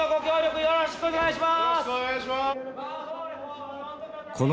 よろしくお願いします。